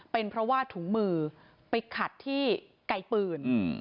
เป็นเพราะว่าถุงมือไปขัดที่ไกลปืน